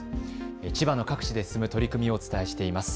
千葉の各地で進む取り組みをお伝えしています。